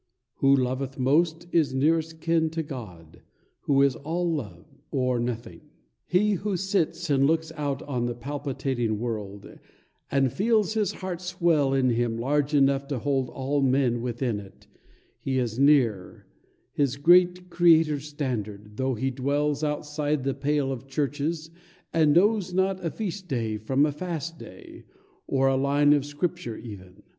Who loveth most is nearest kin to God, Who is all Love, or Nothing. He who sits And looks out on the palpitating world, And feels his heart swell in him large enough To hold all men within it, he is near His great Creator's standard, though he dwells Outside the pale of churches, and knows not A feast day from a fast day, or a line Of Scripture even.